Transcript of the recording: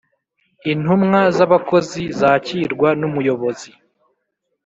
Intumwa z’ abakozi zakirwa n’ umuyobozi